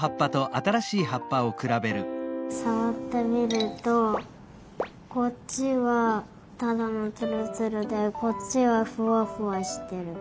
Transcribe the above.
さわってみるとこっちはただのつるつるでこっちはふわふわしてる。